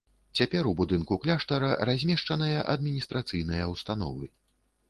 Цяпер у будынку кляштара размешчаныя адміністрацыйныя ўстановы.